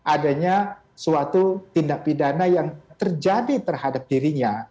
adanya suatu tindak pidana yang terjadi terhadap dirinya